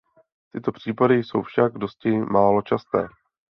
Tyto případy jsou však dosti málo časté.